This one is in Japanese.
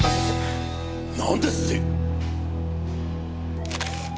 なんですって！？